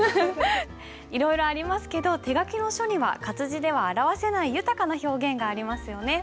いろいろありますけど手書きの書には活字では表せない豊かな表現がありますよね。